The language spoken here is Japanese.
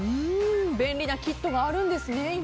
便利なキットがあるんですね。